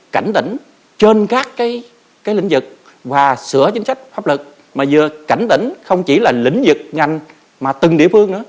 cảnh tỉnh trên các lĩnh vực và sửa chính sách pháp lực mà vừa cảnh tỉnh không chỉ là lĩnh vực ngành mà từng địa phương nữa